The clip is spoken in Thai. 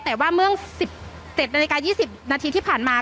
แต่ว่าเมื่อ๑๗นาฬิกา๒๐นาทีที่ผ่านมา